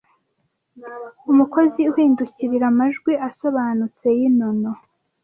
umukozi uhindukirira amajwi asobanutse yinono